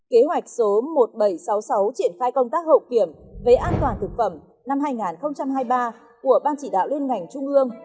kế hoạch số một nghìn bảy trăm sáu mươi sáu triển khai công tác hậu kiểm về an toàn thực phẩm năm hai nghìn hai mươi ba của ban chỉ đạo liên ngành trung ương